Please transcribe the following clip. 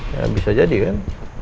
ya bisa jadi kan